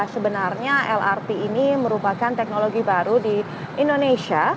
sebenarnya lrt ini merupakan teknologi baru di indonesia